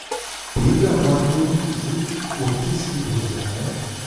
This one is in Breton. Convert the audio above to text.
Pet a oadourien zo o teskiñ brezhoneg ?